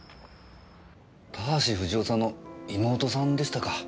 田橋不二夫さんの妹さんでしたか。